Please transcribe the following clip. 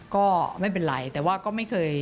ก็ไม่เป็นไรแต่ว่าก็ไม่เคย